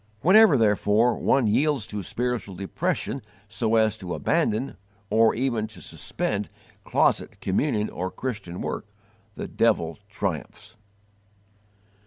Whenever, therefore, one yields to spiritual depression so as to abandon, or even to suspend, closet communion or Christian work, the devil triumphs.